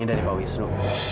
ini dari pak wisnu